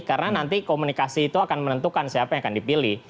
karena nanti komunikasi itu akan menentukan siapa yang akan dipilih